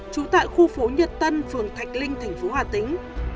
sinh năm một nghìn chín trăm tám mươi chín